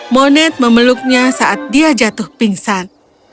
moned memeluknya saat dia jatuh pingsan